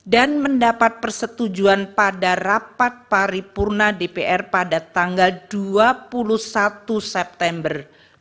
dan mendapat persetujuan pada rapat paripurna dpr pada tanggal dua puluh satu september dua ribu dua puluh tiga